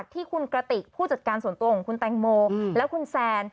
ที่คุณกระติกผู้จัดการส่วนตัวของคุณแตงโมและคุณแซน